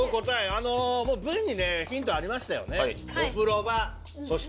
もうＶにヒントありましたよね。